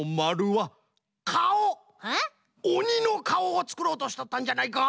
おにのかおをつくろうとしとったんじゃないか？